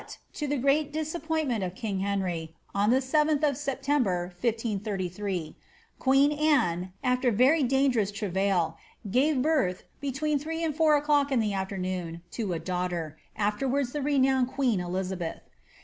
181 to the great disappointment of king Henry, on the 7th of September, 1533, queen Anne, aAer very dangerous travail, gave birth, between three and fbur o^clock in the afternoon, to a daughter, afterwards the renowned queen Elizabeth.'